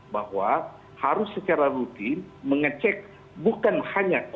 bahwa harus secara rutin mengecek